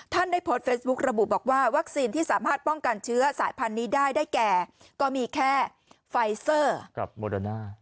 ได้โพสต์เฟซบุ๊กระบุบอกว่าวัคซีนที่สามารถป้องกันเชื้อสายพันธุ์นี้ได้ได้แก่ก็มีแค่ไฟเซอร์กับโมเดอร์น่า